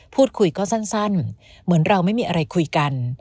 พูดคุยก็สั้นเหมือนเราไม่มีอะไรคุยกัน